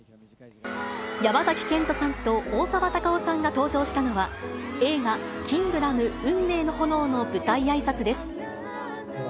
山崎賢人さんと大沢たかおさんが登場したのは、映画、キングダム運命の炎の舞台あいさつです。